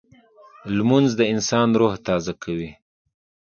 لمونځ د انسان روح تازه کوي